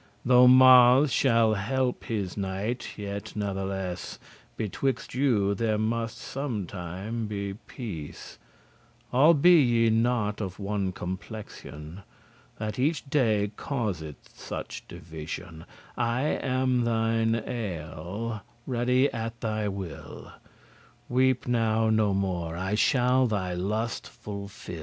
*promised Though Mars shall help his knight, yet natheless Betwixte you there must sometime be peace: All be ye not of one complexion, That each day causeth such division, I am thine ayel*, ready at thy will; *grandfather <72> Weep now no more, I shall thy lust* fulfil."